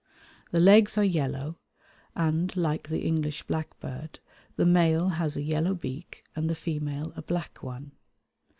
The legs are yellow, and, like the English blackbird, the male has a yellow beak and the female a black one.